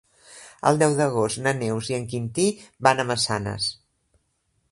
El deu d'agost na Neus i en Quintí van a Massanes.